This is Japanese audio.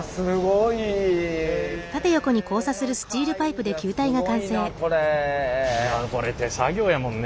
いやこれ手作業やもんね。